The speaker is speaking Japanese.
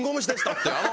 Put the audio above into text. って。